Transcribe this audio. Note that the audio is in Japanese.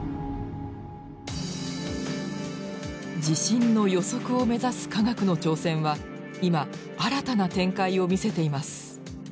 地震の予測を目指す科学の挑戦は今新たな展開を見せています。